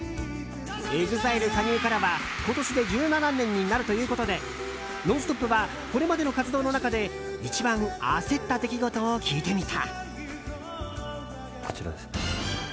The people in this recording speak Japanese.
ＥＸＩＬＥ加入からは今年で１７年になるということで「ノンストップ！」はこれまでの活動の中で一番焦った出来事を聞いてみた。